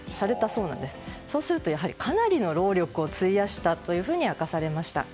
そうするとかなりの労力を費やしたと明かされました。